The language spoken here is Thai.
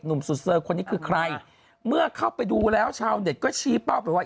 สุดเซอร์คนนี้คือใครเมื่อเข้าไปดูแล้วชาวเน็ตก็ชี้เป้าไปว่า